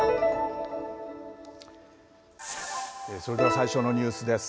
それでは最初のニュースです。